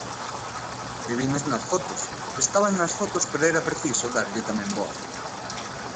Eu vinas nas fotos, estaban nas fotos pero era preciso darlle tamén voz.